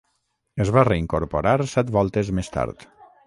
Es va reincorporar set voltes més tard.